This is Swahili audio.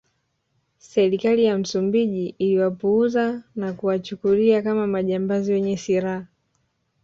Serikali ya Msumbiji iliwapuuza na kuwachukulia kama majambazi wenye silaha